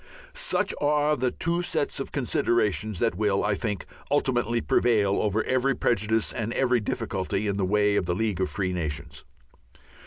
Such are the two sets of considerations that will, I think, ultimately prevail over every prejudice and every difficulty in the way of the League of Free Nations.